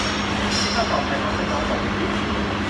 ค่าตอบแทนมักได้น้อยกว่าที่คิด